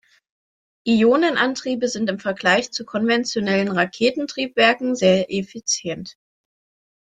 Ionenantriebe sind im Vergleich zu konventionellen Raketentriebwerken sehr effizient.